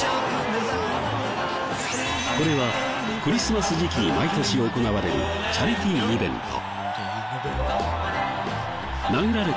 これはクリスマス時期に毎年行われるチャリティーイベント。